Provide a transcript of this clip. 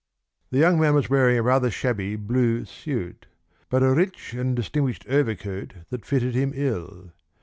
The young man was wearing a rather shabby blue suit, but a rich and distinguished overcoat that fitted him ill.